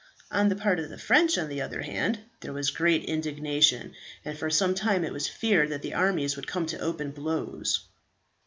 On the part of the French, on the other hand, there was great indignation, and for some time it was feared that the armies would come to open blows.